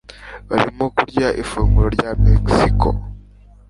Barimo kurya ifunguro rya Mexico.